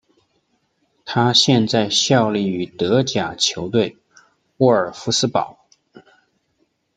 他现在效力于德甲球队沃尔夫斯堡。